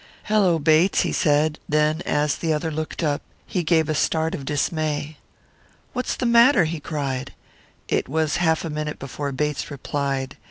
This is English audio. "Hello, Bates," he said; then, as the other looked up, he gave a start of dismay. "What's the matter?" he cried. It was half a minute before Bates replied.